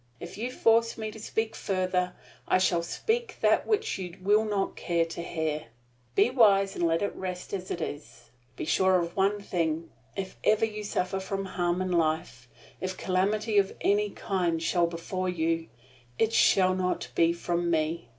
If you force me to speak further, I shall speak that which you will not care to hear. Be wise and let it rest as it is. Be sure of one thing, if ever you suffer harm in life, if calamity of any kind shall befall you, it shall not be from me.